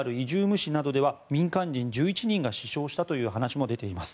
市などでは民間人１１人が死傷したという話も出ています。